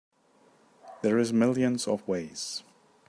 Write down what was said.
There's millions of ways.